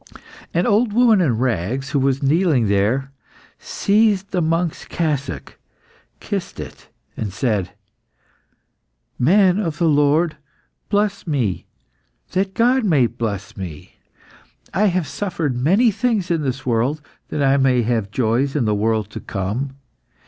An old woman in rags, who was kneeling there, seized the monk's cassock, kissed it, and said "Man of the Lord, bless me, that God may bless me. I have suffered many things in this world that I may have joys in the world to come.